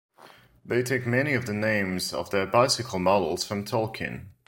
They take many of the names of their bicycle models from Tolkien.